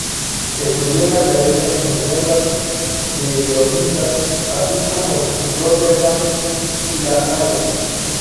Estudió en la Academia Minerva de Groninga, así como en Róterdam y La Haya.